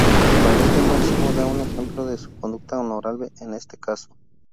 Valerio Máximo da un ejemplo de su conducta honorable en este caso.